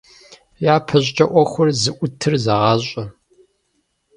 Япэщӏыкӏэ ӏуэхур зыӀутыр зэгъащӏэ.